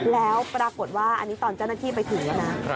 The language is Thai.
แล้วปรากฏว่าอันนี้ตอนเจ้าหน้าที่ไปถึงแล้วนะ